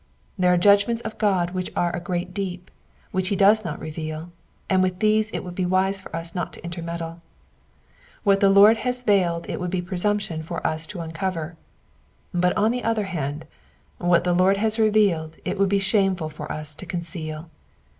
There are judgments of God which are a great deep, which he does not reveal, and with these it will be wise for us not to intermeddle. What the Lord has veiled it would be presumption for us to uncover ; but, on the other hand, what the Lord has revealed it would be shameful for us to conceal.